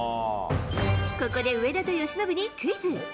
ここで上田と由伸にクイズ。